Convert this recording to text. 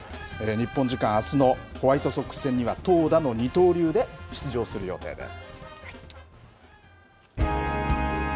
日本時間あすのホワイトソックス戦には投打の二刀流で出場する予定です。